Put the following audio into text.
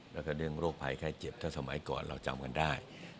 แล้วก็เรื่องโรคภัยไข้เจ็บถ้าสมัยก่อนเราจำกันได้